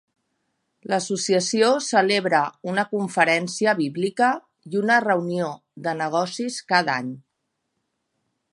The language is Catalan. L'associació celebra una Conferència Bíblica i una reunió de negocis cada any.